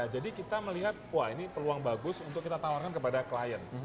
jadi kita melihat wah ini peluang bagus untuk kita tawarkan kepada klien